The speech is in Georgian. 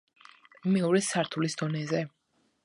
მეორე სართულის დონეზე.